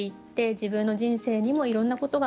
自分の人生にもいろんなことが待ち受けている。